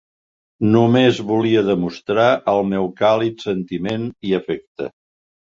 Només volia demostrar el meu càlid sentiment i afecte.